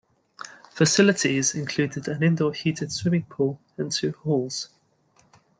Facilities included an indoor heated swimming pool and two halls.